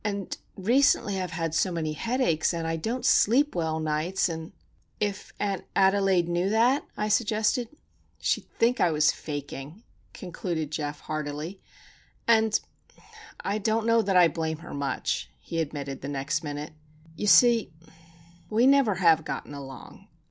And recently I've had so many headaches, and I don't sleep well nights, and——" "If Aunt Adelaide knew that?" I suggested. "She'd think I was faking," concluded Geof, hardily. "And I don't know that I blame her much," he admitted, the next minute. "You see, we never have gotten along.